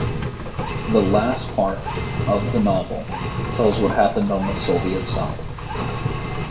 The last part of the novel tells what happened on the Soviet side.